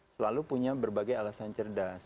selalu punya berbagai alasan cerdas